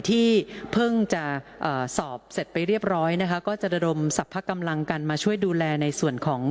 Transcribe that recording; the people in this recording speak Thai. ที่เพิ่งจะสอบเสร็จไปเรียบร้อยนะคะก็จะระดมสรรพกำลังกันมาช่วยดูแลในส่วนของ